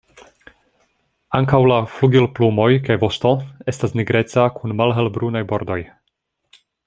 Ankaŭ la flugilplumoj kaj vosto estas nigreca kun malhelbrunaj bordoj.